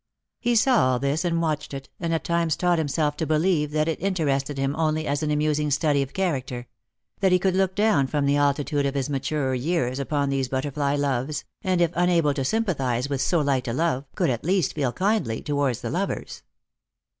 He saw all this, and watched it, and at times taught himself to believe that it interested him only as an amusing study of character ; that he could look down from the altitude of his maturer years upon these butterfly loves, and, if unable to sympathize with so light a love, could at least feel kindly towards the lovers.